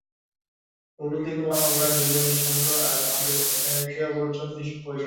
উপলব্ধি করলাম, আমরা দুজনই নিঃসঙ্গ আর আমাদের একে অপরের প্রয়োজন।